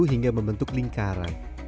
hingga membentuk lingkaran